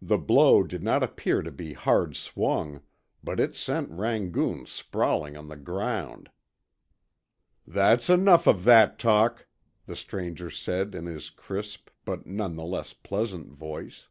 The blow did not appear to be hard swung, but it sent Rangoon sprawling on the ground. "That's enough of that talk," the stranger said in his crisp but nonetheless pleasant voice.